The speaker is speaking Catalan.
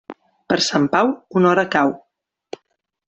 Per Sant Pau, una hora cau.